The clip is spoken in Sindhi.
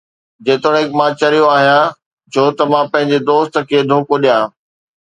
جيتوڻيڪ مان چريو آهيان، ڇو ته مان پنهنجي دوست کي دوکو ڏيان؟